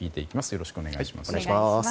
よろしくお願いします。